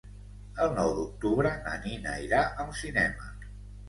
El nou d'octubre na Nina irà al cinema.